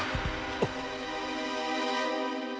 あっ。